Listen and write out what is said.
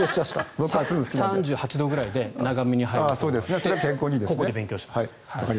３８度くらいで長めに入るといいとここで勉強しました。